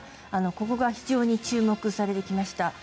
ここが非常に注目される気がします。